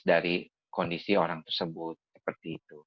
dari kondisi orang tersebut seperti itu